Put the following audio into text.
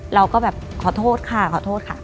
เราก็แบบขอโทษค่ะขอโทษค่ะ